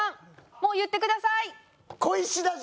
もう言ってください。